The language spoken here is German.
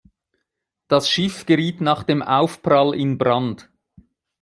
Das Schiff geriet nach dem Aufprall in Brand.